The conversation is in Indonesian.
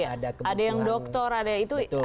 ada yang dokter ada itu